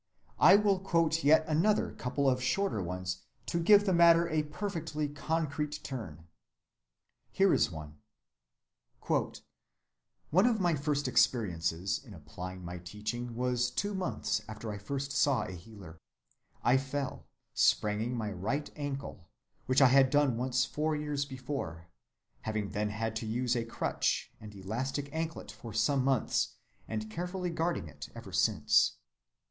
I will quote yet another couple of shorter ones to give the matter a perfectly concrete turn. Here is one:— "One of my first experiences in applying my teaching was two months after I first saw the healer. I fell, spraining my right ankle, which I had done once four years before, having then had to use a crutch and elastic anklet for some months, and carefully guarding it ever since.